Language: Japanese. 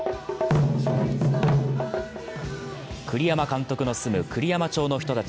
栗山監督の住む栗山町の人たち